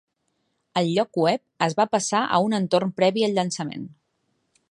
El lloc web es va passar a un entorn previ al llançament.